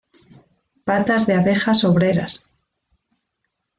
Patas de abejas obreras.